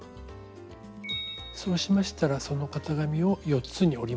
そうしましたらその型紙を４つに折ります。